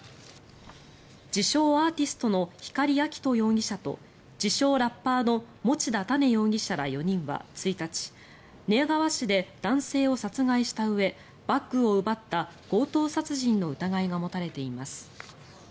自称・アーティストの光亮斗容疑者と自称・ラッパーの持田多嶺容疑者ら４人は１日寝屋川市で男性を殺害したうえバッグを奪った強盗殺人の疑いが持たれています。